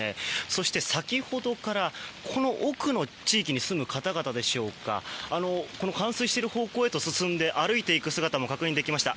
そして、先ほどから奥の地域に住む方々でしょうかこの冠水している方向へと進んで歩いていく姿も確認できました。